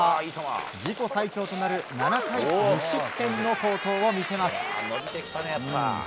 自己最長となる７回無失点の好投を見せます。